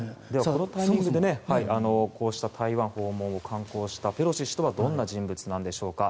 このタイミングでこうした台湾訪問を刊行したペロシ氏とはどんな人物なんでしょうか。